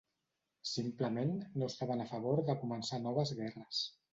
Simplement, no estaven a favor de començar noves guerres.